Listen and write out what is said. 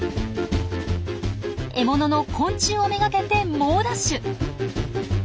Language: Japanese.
獲物の昆虫を目がけて猛ダッシュ！